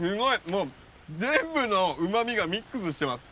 もう全部のうまみがミックスしてます。